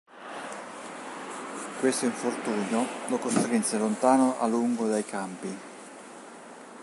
Questo infortunio lo costrinse lontano a lungo dai campi..